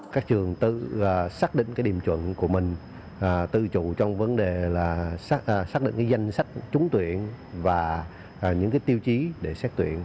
các trường tự xác định cái điểm chuẩn của mình tự chủ trong vấn đề là xác định cái danh sách trúng tuyển và những cái tiêu chí để xác tuyển